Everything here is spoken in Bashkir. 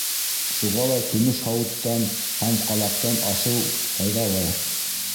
Шуға ла көмөш һауыттан һәм ҡалаҡтан ашыу файҙалы.